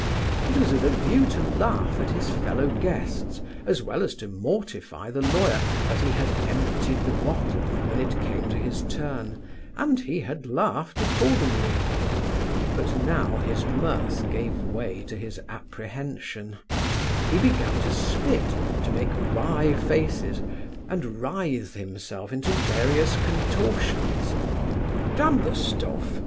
It was with a view to laugh at his fellow guests, as well as to mortify the lawyer, that he had emptied the bottle, when it came to his turn, and he had laughed accordingly: but now his mirth gave way to his apprehension He began to spit, to make wry faces, and writhe himself into various contorsions 'Damn the stuff!